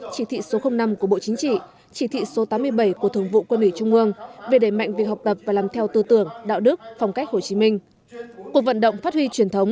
chỉ thị số năm của bộ chính trị chỉ thị số tám mươi bảy của thượng vụ quân ủy trung ương về đẩy mạnh việc học tập và làm theo tư tưởng đạo đức phong cách hồ chí minh